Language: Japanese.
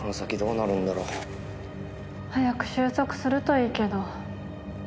早く終息するといいけど。